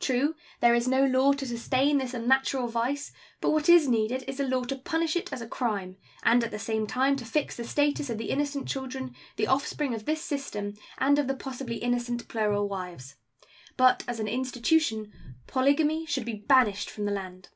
True, there is no law to sustain this unnatural vice; but what is needed is a law to punish it as a crime, and at the same time to fix the status of the innocent children, the offspring of this system, and of the possibly innocent plural wives. But as an institution polygamy should be banished from the land.